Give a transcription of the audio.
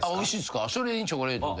それにチョコレートで。